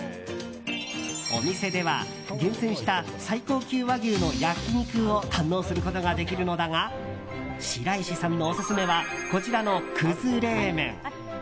お店では厳選した最高級和牛の焼き肉を堪能することができるのだが白石さんのオススメはこちらの葛冷麺。